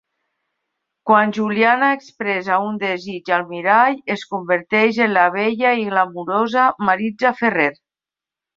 Quan Juliana expressa un desig al mirall, es converteix en la bella i glamurosa Maritza Ferrer.